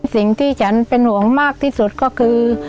สิ่งที่ฉันเป็นห่วงมากที่สุดก็คือ